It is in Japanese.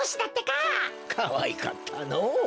かわいかったのぉ。